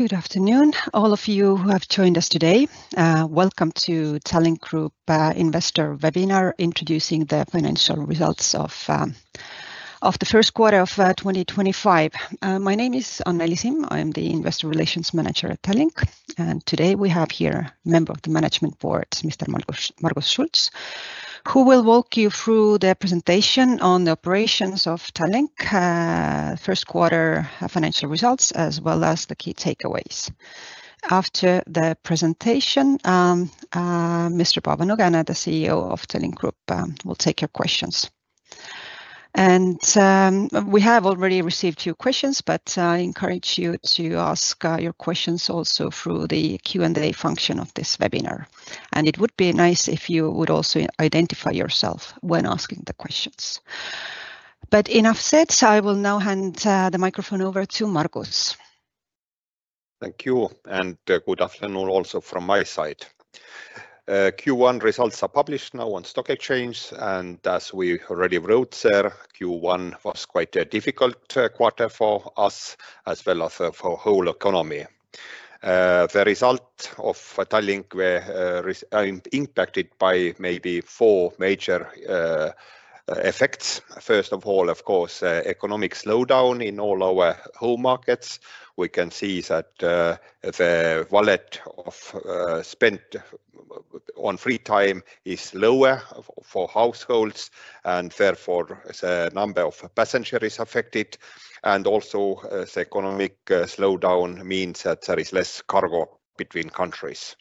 Good afternoon, all of you who have joined us today. Welcome to Tallink Group Investor Webinar introducing the financial results of the first quarter of 2025. My name is Anneli Simm, I'm the Investor Relations Manager at Tallink, and today we have here a member of the Management Board, Mr. Margus Schults, who will walk you through the presentation on the operations of Tallink, first quarter financial results, as well as the key takeaways. After the presentation, Mr. Paavo Nõgene, the CEO of Tallink Group, will take your questions. We have already received your questions, but I encourage you to ask your questions also through the Q&A function of this webinar. It would be nice if you would also identify yourself when asking the questions. Enough said, I will now hand the microphone over to Margus. Thank you, and good afternoon also from my side. Q1 results are published now on stock exchange, and as we already wrote there, Q1 was quite a difficult quarter for us as well as for the whole economy. The result of Tallink impacted by maybe four major effects. First of all, of course, economic slowdown in all our home markets. We can see that the wallet of spent on free time is lower for households, and therefore the number of passengers is affected. Also, the economic slowdown means that there is less cargo between countries.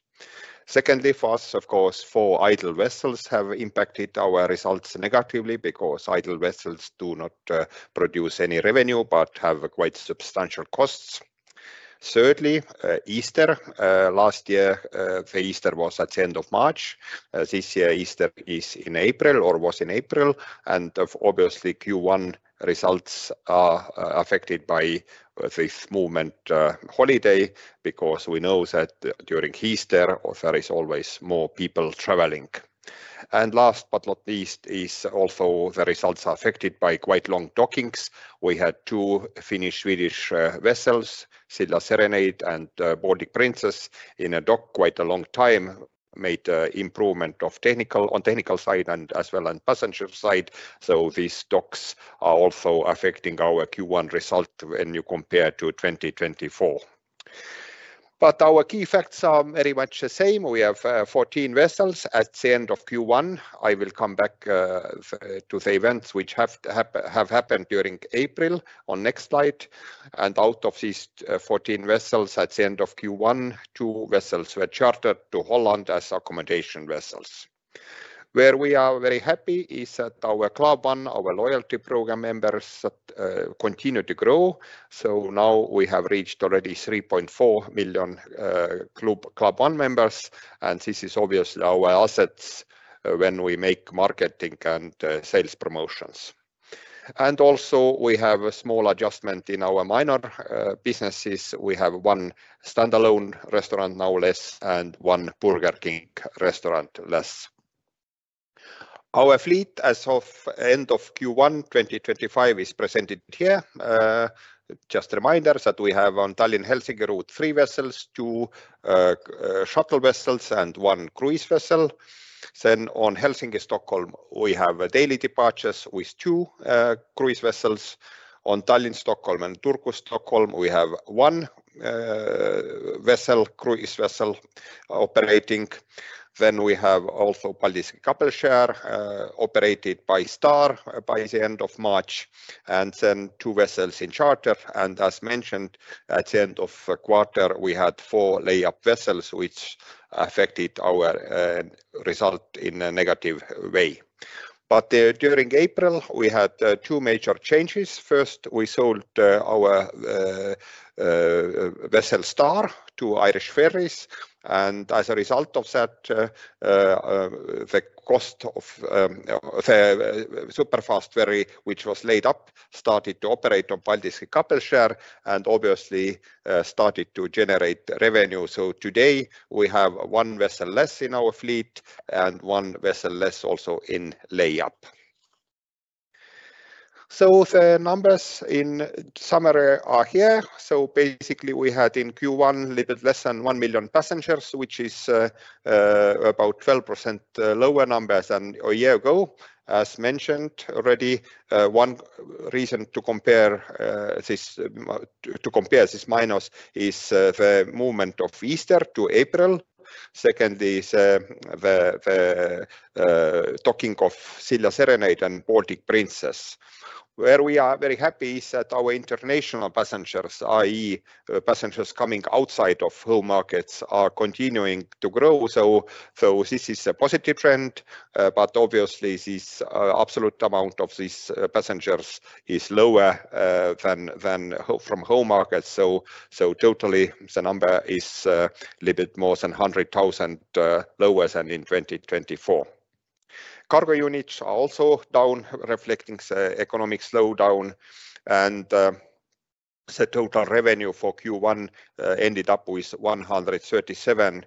Secondly, for us, of course, four idle vessels have impacted our results negatively because idle vessels do not produce any revenue but have quite substantial costs. Thirdly, Easter. Last year, the Easter was at the end of March. This year, Easter is in April or was in April, and obviously, Q1 results are affected by this moving holiday because we know that during Easter, there is always more people traveling. Last but not least, also the results are affected by quite long dockings. We had two Finnish-Swedish vessels, Silja Serenade and Baltic Princess, in a dock quite a long time, made improvement on technical side and as well as passenger side. These docks are also affecting our Q1 result when you compare to 2024. Our key facts are very much the same. We have 14 vessels at the end of Q1. I will come back to the events which have happened during April on the next slide. Out of these 14 vessels at the end of Q1, two vessels were chartered to Holland as accommodation vessels. Where we are very happy is that our Club One, our loyalty program members, continue to grow. We have reached already 3.4 million Club One members, and this is obviously our assets when we make marketing and sales promotions. Also, we have a small adjustment in our minor businesses. We have one standalone restaurant now less and one Burger King restaurant less. Our fleet as of end of Q1 2025 is presented here. Just a reminder that we have on Tallinn-Helsinki route three vessels, two shuttle vessels, and one cruise vessel. On Helsinki-Stockholm, we have daily departures with two cruise vessels. On Tallinn-Stockholm and Turku-Stockholm, we have one cruise vessel operating. We have also Paldiski-Kapellskär operated by Star by the end of March, and two vessels in charter. As mentioned, at the end of the quarter, we had four layup vessels, which affected our result in a negative way. During April, we had two major changes. First, we sold our vessel Star to Irish Ferries, and as a result of that, the Superfast ferry, which was laid up, started to operate on Paldiski-Kapellskär and obviously started to generate revenue. Today, we have one vessel less in our fleet and one vessel less also in layup. The numbers in summary are here. Basically, we had in Q1 a little bit less than one million passengers, which is about 12% lower numbers than a year ago. As mentioned already, one reason to compare this minus is the movement of Easter to April. Second is the docking of Silja Serenade and Baltic Princess. Where we are very happy is that our international passengers, i.e., passengers coming outside of home markets, are continuing to grow. This is a positive trend, but obviously, this absolute amount of these passengers is lower than from home markets. Totally, the number is a little bit more than 100,000 lower than in 2024. Cargo units are also down, reflecting the economic slowdown. The total revenue for Q1 ended up with 137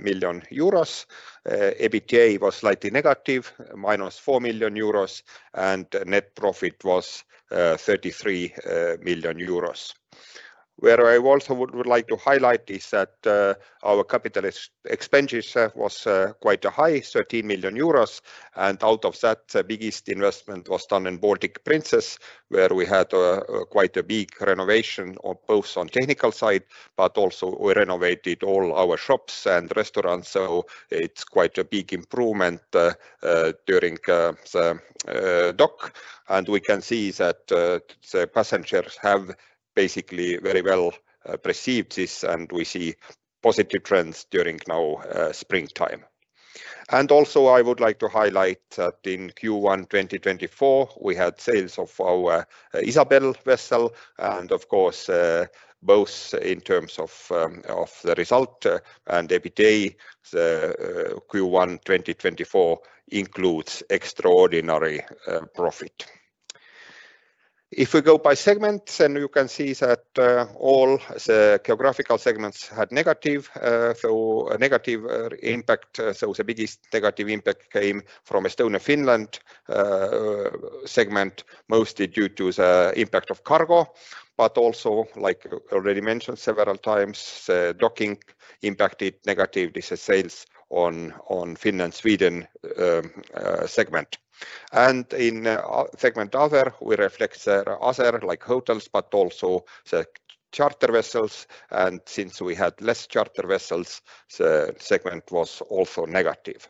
million euros. EBITDA was slightly negative, minus 4 million euros, and net profit was 33 million euros. Where I also would like to highlight is that our capital expenditure was quite high, 13 million euros, and out of that, the biggest investment was done in Baltic Princess, where we had quite a big renovation both on the technical side, but also we renovated all our shops and restaurants. It is quite a big improvement during the dock. We can see that the passengers have basically very well perceived this, and we see positive trends during now springtime. Also, I would like to highlight that in Q1 2024, we had sales of our Isabelle vessel, and of course, both in terms of the result and EBITDA, the Q1 2024 includes extraordinary profit. If we go by segments, then you can see that all the geographical segments had negative impact. The biggest negative impact came from Estonia-Finland segment, mostly due to the impact of cargo. Also, like already mentioned several times, the docking impacted negatively the sales on Finland-Sweden segment. In segment other, we reflect other like hotels, but also the charter vessels. Since we had less charter vessels, the segment was also negative.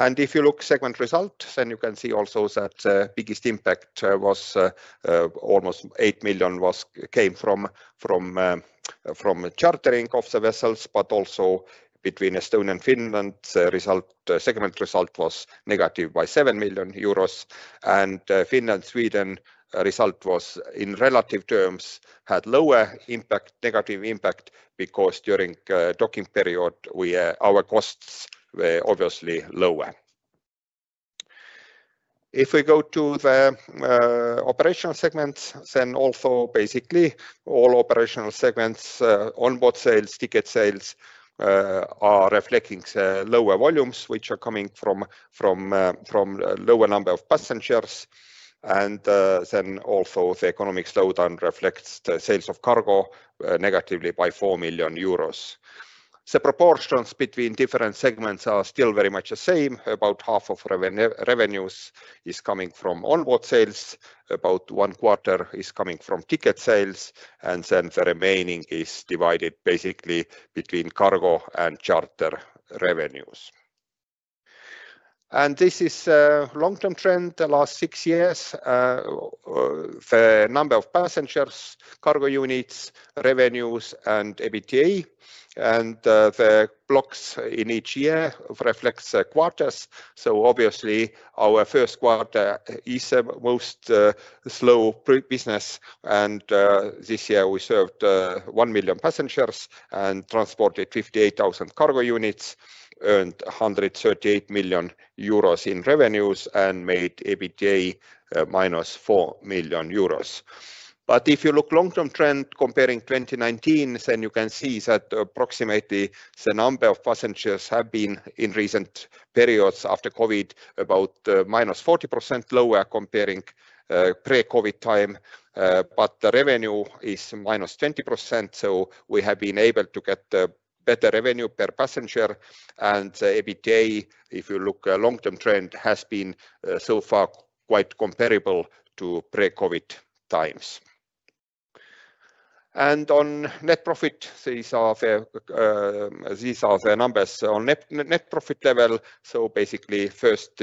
If you look at segment results, you can see also that the biggest impact was almost 8 million came from chartering of the vessels, but also between Estonia and Finland, the segment result was negative by 7 million euros. Finland-Sweden result was, in relative terms, had lower negative impact because during the docking period, our costs were obviously lower. If we go to the operational segments, basically all operational segments, onboard sales, ticket sales, are reflecting lower volumes, which are coming from a lower number of passengers. The economic slowdown also reflects the sales of cargo negatively by 4 million euros. The proportions between different segments are still very much the same. About half of revenues is coming from onboard sales, about one quarter is coming from ticket sales, and the remaining is divided basically between cargo and charter revenues. This is a long-term trend the last six years. The number of passengers, cargo units, revenues, and EBITDA, and the blocks in each year reflects quarters. Obviously, our first quarter is the most slow business, and this year we served 1 million passengers and transported 58,000 cargo units, earned 138 million euros in revenues, and made EBITDA minus 4 million euros. If you look at the long-term trend comparing 2019, you can see that approximately the number of passengers have been in recent periods after COVID about -40% lower comparing pre-COVID time, but the revenue is -20%. We have been able to get better revenue per passenger, and EBITDA, if you look at the long-term trend, has been so far quite comparable to pre-COVID times. On net profit, these are the numbers on net profit level. Basically, first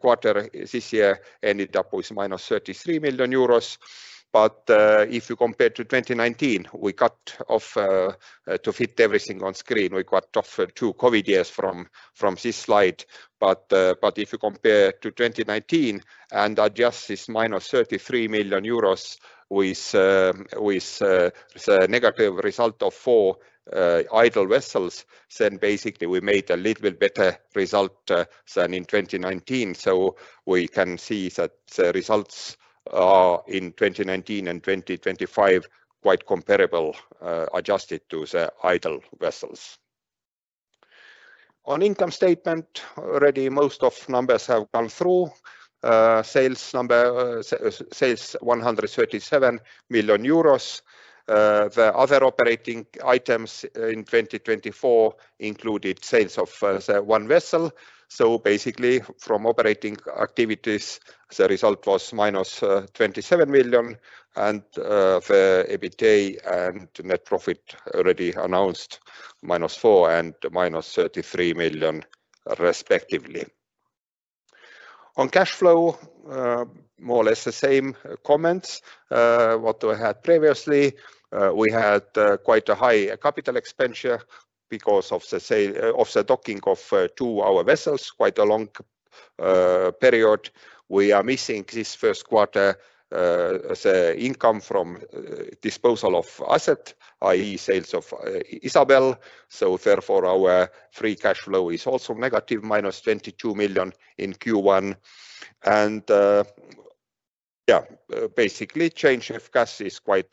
quarter this year ended up with minus 33 million euros. If you compare to 2019, we cut off to fit everything on screen, we cut off two COVID years from this slide. If you compare to 2019 and adjust this minus 33 million euros with a negative result of four idle vessels, then basically we made a little bit better result than in 2019. We can see that the results are in 2019 and 2025 quite comparable adjusted to the idle vessels. On income statement, already most of the numbers have gone through. Sales number, sales 137 million euros. The other operating items in 2024 included sales of one vessel. Basically, from operating activities, the result was minus 27 million, and the EBITDA and net profit already announced minus 4 million and minus 33 million respectively. On cash flow, more or less the same comments what we had previously. We had quite a high capital expenditure because of the docking of two of our vessels quite a long period. We are missing this first quarter the income from disposal of asset, i.e., sales of Isabelle. Therefore, our free cash flow is also negative minus 22 million in Q1. Yeah, basically, change of cash is quite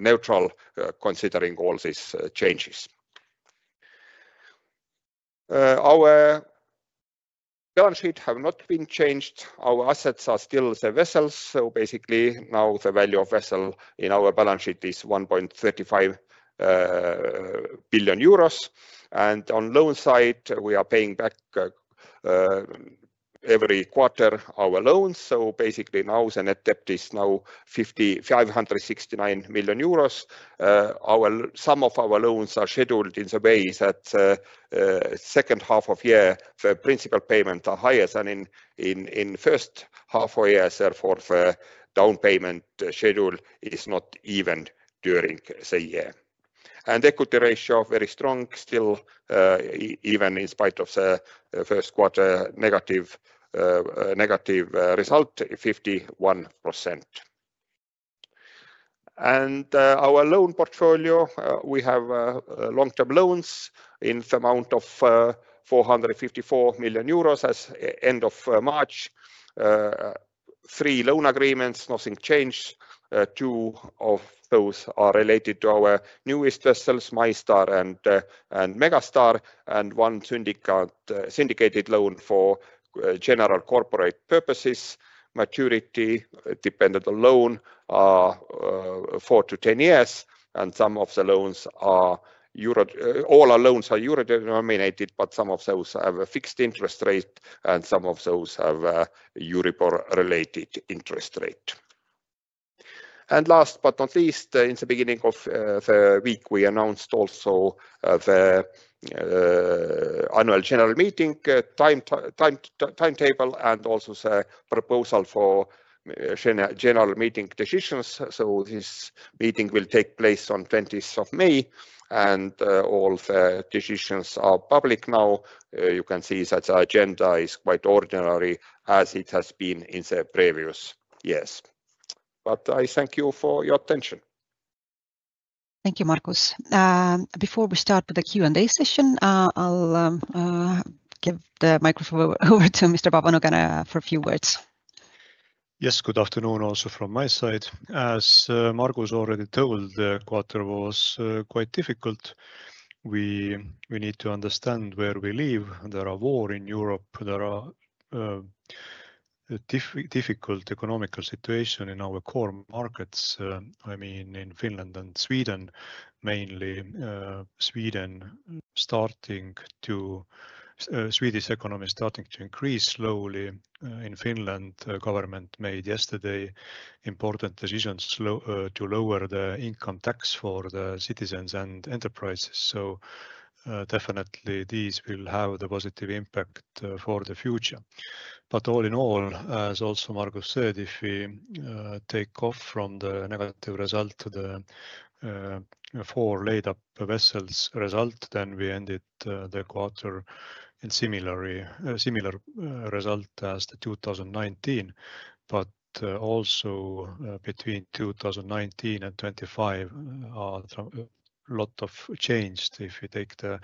neutral considering all these changes. Our balance sheet has not been changed. Our assets are still the vessels. Basically, now the value of vessel in our balance sheet is 1.35 billion euros. On loan side, we are paying back every quarter our loans. Basically, now the net debt is now 569 million euros. Some of our loans are scheduled in the way that second half of year the principal payment are higher than in first half of year. Therefore, the down payment schedule is not even during the year. Equity ratio is very strong still, even in spite of the first quarter negative result, 51%. Our loan portfolio, we have long-term loans in the amount of 454 million euros as end of March. Three loan agreements, nothing changed. Two of those are related to our newest vessels, MyStar and Megastar, and one syndicated loan for general corporate purposes. Maturity dependent on loan are 4-10 years, and all our loans are euro-denominated, but some of those have a fixed interest rate, and some of those have a Euribor-related interest rate. Last but not least, in the beginning of the week, we announced also the annual general meeting timetable and also the proposal for general meeting decisions. This meeting will take place on 20th of May, and all the decisions are public now. You can see that the agenda is quite ordinary as it has been in the previous years. I thank you for your attention. Thank you, Margus. Before we start with the Q&A session, I'll give the microphone over to Mr. Paavo Nõgene for a few words. Yes, good afternoon also from my side. As Margus already told, the quarter was quite difficult. We need to understand where we live. There are war in Europe. There are a difficult economical situation in our core markets. I mean, in Finland and Sweden, mainly Sweden. Swedish economy is starting to increase slowly. In Finland, the government made yesterday important decisions to lower the income tax for the citizens and enterprises. These will have the positive impact for the future. All in all, as also Margus said, if we take off from the negative result, the four layup vessels result, then we ended the quarter in similar result as the 2019. Also, between 2019 and 2025, a lot of changed. If you take the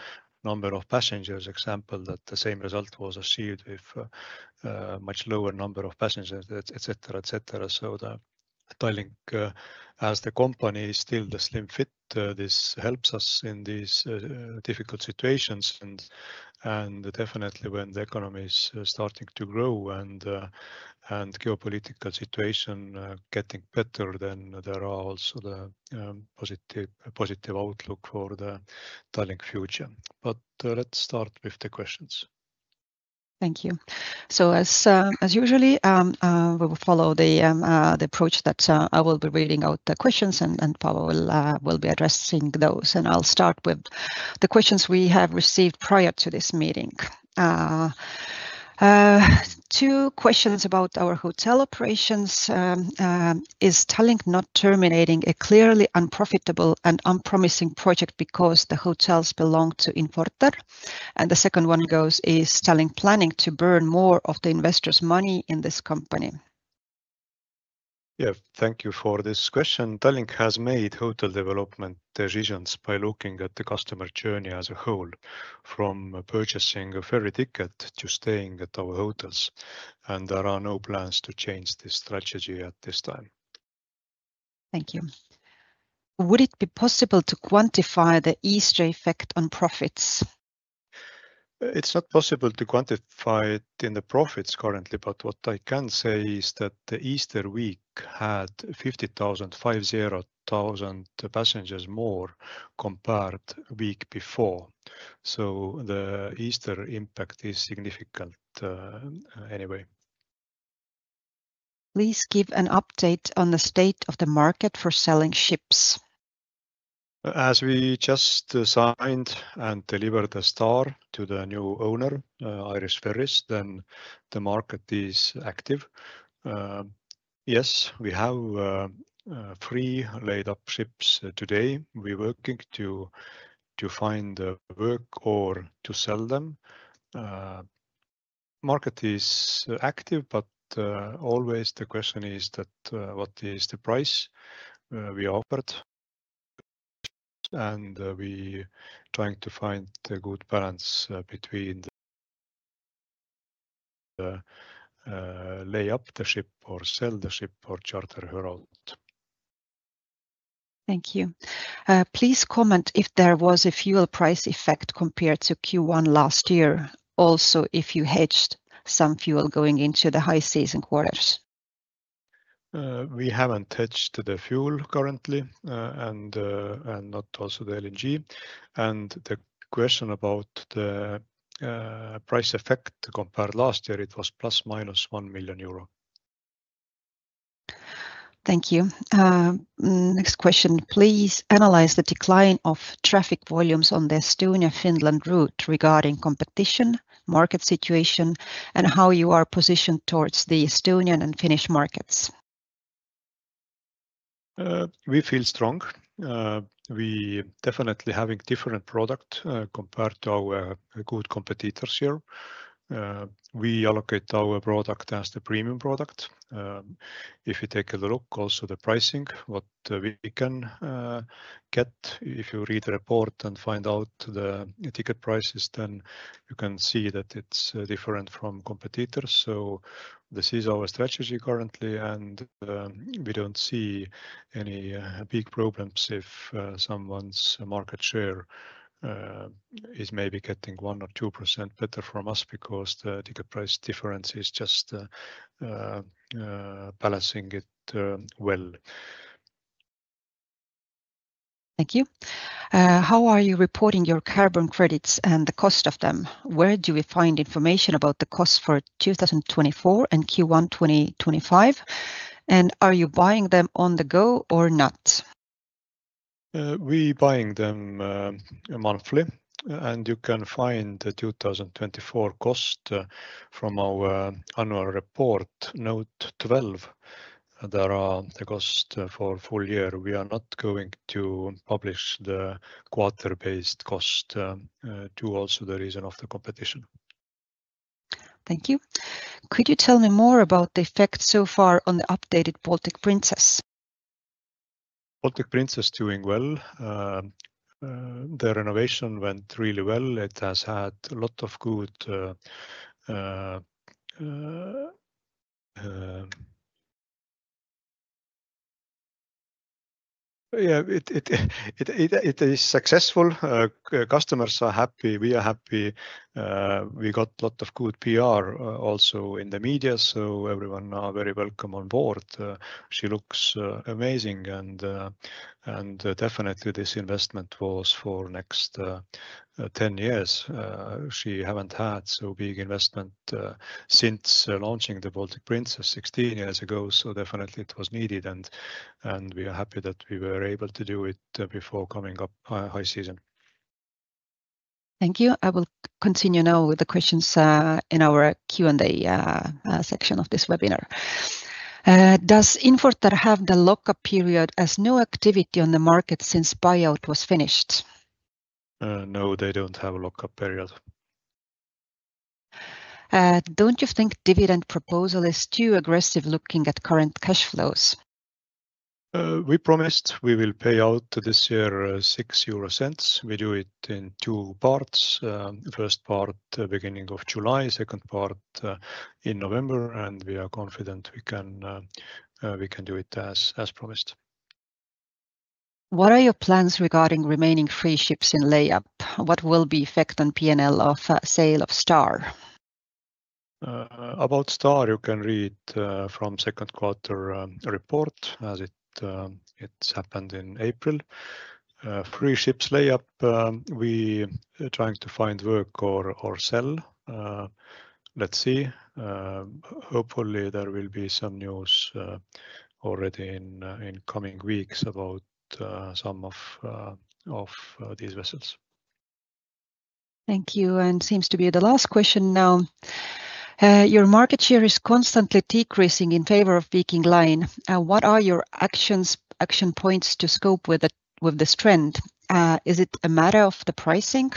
number of passengers, example that the same result was achieved with a much lower number of passengers, etc., etc. The Tallink, as the company is still the slim fit, this helps us in these difficult situations. Definitely, when the economy is starting to grow and geopolitical situation getting better, there are also the positive outlook for the Tallink future. Let's start with the questions. Thank you. As usually, we will follow the approach that I will be reading out the questions, and Paavo will be addressing those. I will start with the questions we have received prior to this meeting. Two questions about our hotel operations. Is Tallink not terminating a clearly unprofitable and unpromising project because the hotels belong to Infortar? The second one goes, is Tallink planning to burn more of the investors' money in this company? Thank you for this question. Tallink has made hotel development decisions by looking at the customer journey as a whole, from purchasing a ferry ticket to staying at our hotels. There are no plans to change this strategy at this time. Thank you. Would it be possible to quantify the Easter effect on profits? It's not possible to quantify it in the profits currently, but what I can say is that the Easter week had 50,000-500,000 passengers more compared to the week before. The Easter impact is significant anyway. Please give an update on the state of the market for selling ships. As we just signed and delivered the Star to the new owner, Irish Ferries, the market is active. Yes, we have three layup ships today. We're working to find the work or to sell them. Market is active, but always the question is what is the price we offered? We are trying to find a good balance between layup the ship or sell the ship or charter her out. Thank you. Please comment if there was a fuel price effect compared to Q1 last year, also if you hedged some fuel going into the high season quarters. We have not hedged the fuel currently and not also the LNG. The question about the price effect compared to last year, it was plus minus 1 million euro. Thank you. Next question, please analyze the decline of traffic volumes on the Estonia-Finland route regarding competition, market situation, and how you are positioned towards the Estonian and Finnish markets. We feel strong. We definitely have a different product compared to our good competitors here. We allocate our product as the premium product. If you take a look also at the pricing, what we can get, if you read the report and find out the ticket prices, then you can see that it is different from competitors. This is our strategy currently, and we do not see any big problems if someone's market share is maybe getting 1% or 2% better from us because the ticket price difference is just balancing it well. Thank you. How are you reporting your carbon credits and the cost of them? Where do we find information about the cost for 2024 and Q1 2025? Are you buying them on the go or not? We are buying them monthly, and you can find the 2024 cost from our annual report note 12. There are the cost for full year. We are not going to publish the quarter-based cost due also to the reason of the competition. Thank you. Could you tell me more about the effect so far on the updated Baltic Princess? Baltic Princess is doing well. The renovation went really well. It has had a lot of good. Yeah, it is successful. Customers are happy. We are happy. We got a lot of good PR also in the media, so everyone is very welcome on board. She looks amazing, and definitely this investment was for the next 10 years. She hasn't had such a big investment since launching the Baltic Princess 16 years ago, so definitely it was needed, and we are happy that we were able to do it before coming up high season. Thank you. I will continue now with the questions in our Q&A section of this webinar. Does Infortar have the lockup period as no activity on the market since buyout was finished? No, they don't have a lockup period. Don't you think dividend proposal is too aggressive looking at current cash flows? We promised we will pay out this year 0.06. We do it in two parts. First part, beginning of July. Second part in November, and we are confident we can do it as promised. What are your plans regarding remaining free ships in layup? What will be the effect on P&L of sale of Star? About Star, you can read from the second quarter report as it happened in April. Free ships layup, we are trying to find work or sell. Let's see. Hopefully, there will be some news already in coming weeks about some of these vessels. Thank you. This seems to be the last question now. Your market share is constantly decreasing in favor of Viking Line. What are your action points to cope with this trend? Is it a matter of the pricing?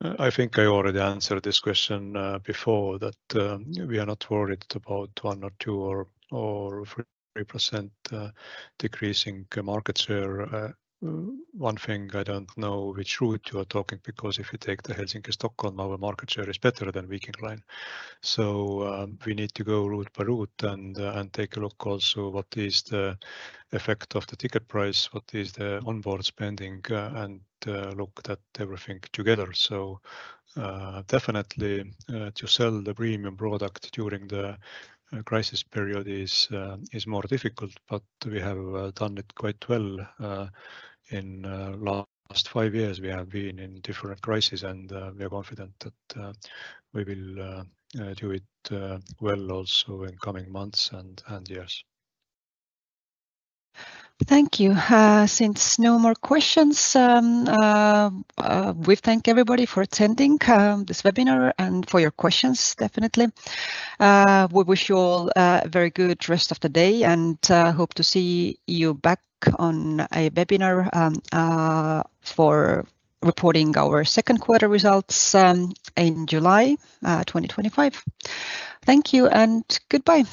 I think I already answered this question before, that we are not worried about 1% or 2% or 3% decreasing market share. One thing I don't know which route you are talking about, because if you take the Helsinki-Stockholm, our market share is better than Viking Line. We need to go route by route and take a look also at what is the effect of the ticket price, what is the onboard spending, and look at everything together. Definitely, to sell the premium product during the crisis period is more difficult, but we have done it quite well. In the last five years, we have been in different crises, and we are confident that we will do it well also in coming months and years. Thank you. Since no more questions, we thank everybody for attending this webinar and for your questions, definitely. We wish you all a very good rest of the day and hope to see you back on a webinar for reporting our second quarter results in July 2025. Thank you and goodbye.